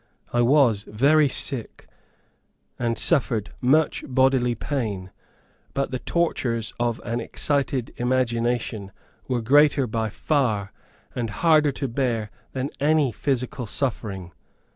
I was very sick, and suffered much bodily pain, but the tortures of an excited imagination were greater by far, and harder to bear than any physical suffering.